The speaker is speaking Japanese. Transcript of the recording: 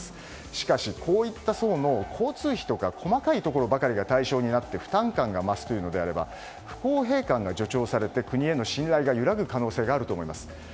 しかし、こういった層の交通費だとか細かいところばかりが対象になって負担感が増すというのであれば不公平感が助長されて国への信頼が揺らぐ可能性があると思います。